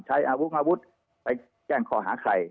ใช้อาวุธไปแกล้งคอหาใคร